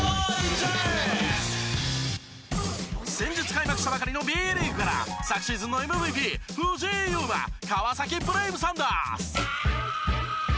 先日開幕したばかりのＢリーグから昨シーズンのＭＶＰ藤井祐眞川崎ブレイブサンダース。